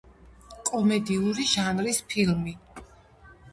კომედიური ჟანრის ფილმი.